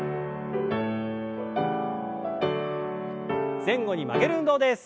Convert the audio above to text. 前後に曲げる運動です。